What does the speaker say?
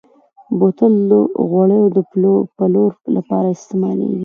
بوتل د غوړیو د پلور لپاره استعمالېږي.